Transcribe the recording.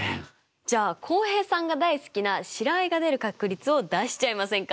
じゃあ浩平さんが大好きな白あえが出る確率を出しちゃいませんか？